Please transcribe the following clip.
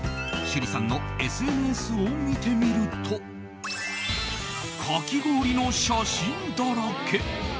趣里さんのＳＮＳを見てみるとかき氷の写真だらけ！